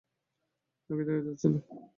তাকে দেখা যাচ্ছে না।